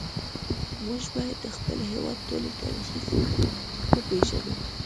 موږ باید د خپل هیواد ټولې تاریخي سیمې وپیژنو